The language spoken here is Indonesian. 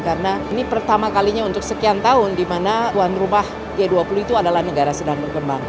karena ini pertama kalinya untuk sekian tahun di mana tuan rumah g dua puluh itu adalah negara sedang berkembang